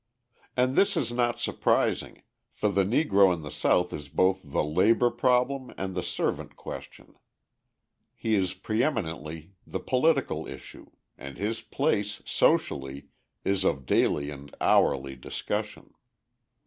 And this is not surprising, for the Negro in the South is both the labour problem and the servant question; he is preëminently the political issue, and his place, socially, is of daily and hourly discussion.